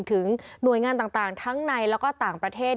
ถึงหน่วยงานต่างทั้งในแล้วก็ต่างประเทศ